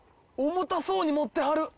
重たそうに持ってはる！